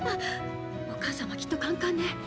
お母様きっとカンカンね。